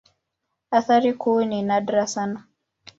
Athari kuu ni nadra sana.